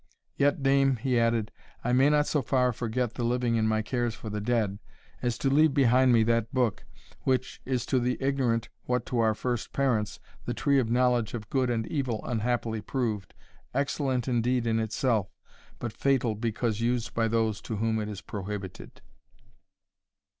Yet, dame," he added, "I may not so far forget the living in my cares for the dead, as to leave behind me that book, which is to the ignorant what, to our first parents, the tree of Knowledge of Good and Evil unhappily proved excellent indeed in itself, but fatal because used by those to whom it is prohibited."